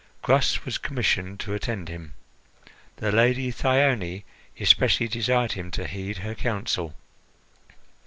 Gras was commissioned to attend him. The Lady Thyone especially desired him to heed her counsel.